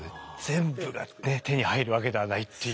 全部がね手に入るわけではないっていう。